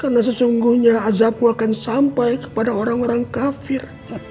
karena sesungguhnya azabmu akan sampai kepada orang orang kafir